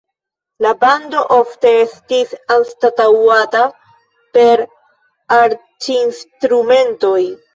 La bando ofte estis anstataŭata per arĉinstrumentoj.